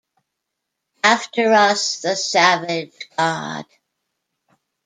After us the Savage God.